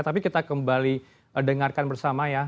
tapi kita kembali dengarkan bersama ya